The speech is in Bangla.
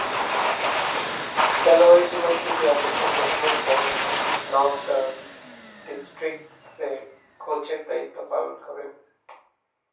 খেলোয়াড়ী জীবন থেকে অবসর গ্রহণের পর নর্দার্ন ডিস্ট্রিক্টসের কোচের দায়িত্ব পালন করেন।